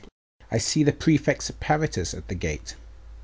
I see the prefect's apparitors at the gate.